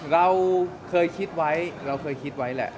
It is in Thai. เราเคยคิดไว้เราเคยคิดไว้แหละ